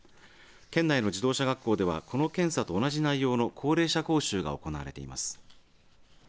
県内の自動車学校ではこの検査と同じ内容の高齢者講習が行われています。